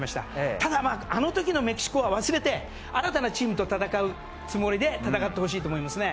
ただ、あの時のメキシコは忘れて新たなチームと戦うつもりで戦ってほしいと思います。